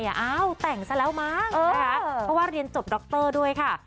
อ้าวแต่งซะแล้วมั้งนะคะเพราะว่าเรียนจบดรด้วยค่ะ